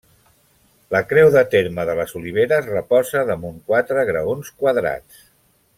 La creu de terme de les Oliveres reposa damunt quatre graons quadrats.